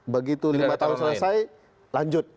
begitu lima tahun selesai lanjut